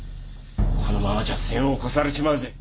このままじゃ先を越されちまうぜ。